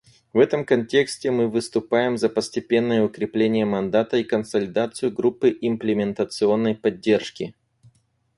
В этом контексте мы выступаем за постепенное укрепление мандата и консолидацию Группы имплементационной поддержки.